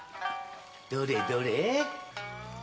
どれどれ？